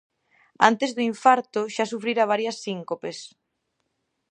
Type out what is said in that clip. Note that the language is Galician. Antes do infarto xa sufrira varias síncopes.